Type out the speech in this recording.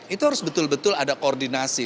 itu harus betul betul ada koordinasi